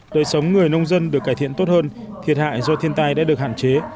thời nông dân được cải thiện tốt hơn thiệt hại do thiên tai đã được hạn chế